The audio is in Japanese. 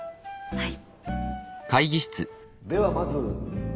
はい。